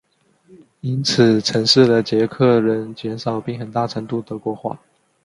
因此城市的捷克人减少并很大程度德国化。